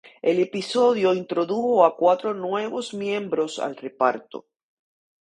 El episodio introdujo a cuatro nuevos miembros al reparto.